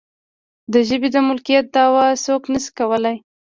د ژبې د مالکیت دعوه څوک نشي کولی.